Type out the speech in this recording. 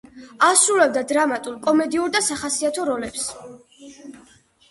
ასრულებდა დრამატულ, კომედიურ და სახასიათო როლებს.